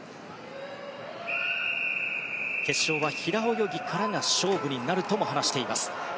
決勝は平泳ぎからが勝負になるとも話しています。